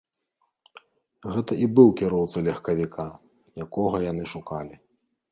Гэта і быў кіроўца легкавіка, якога яны шукалі.